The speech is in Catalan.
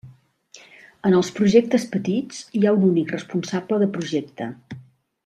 En els projectes petits hi ha un únic responsable de projecte.